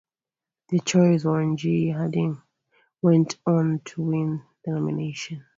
Their choice, Warren G. Harding, went on to win the nomination.